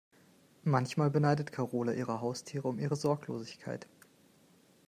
Manchmal beneidet Karola ihre Haustiere um ihre Sorglosigkeit.